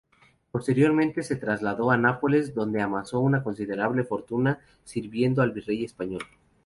Posteriormente se trasladó a Nápoles, donde amasó una considerable fortuna sirviendo al virrey español.